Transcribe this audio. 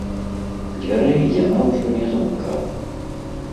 Дзвярэй яна ўжо не замыкала.